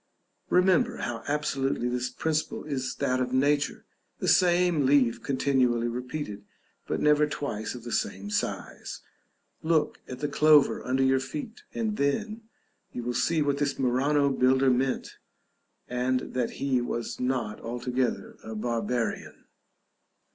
Remember how absolutely this principle is that of nature; the same leaf continually repeated, but never twice of the same size. Look at the clover under your feet, and then you will see what this Murano builder meant, and that he was not altogether a barbarian.